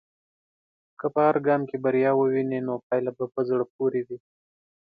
که په هر ګام کې بریا ووینې، نو پايله به په زړه پورې وي.